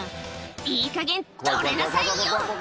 「いいかげん取れなさいよ！」